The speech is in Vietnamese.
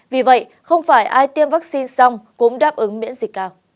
vì vậy không phải ai tiêm vaccine xong cũng đáp ứng miễn dịch cao